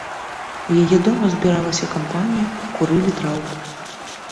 У яе дома збіралася кампанія, курылі траўку.